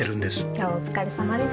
今日はお疲れさまです。